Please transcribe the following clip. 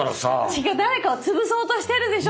違う誰かを潰そうとしてるでしょ！